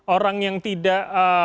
orang yang tidak